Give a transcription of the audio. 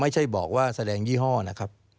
ไม่ใช่บอกว่าแสดงยี่ห้อนะครับ